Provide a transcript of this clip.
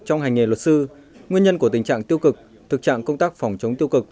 trong hành nghề luật sư nguyên nhân của tình trạng tiêu cực thực trạng công tác phòng chống tiêu cực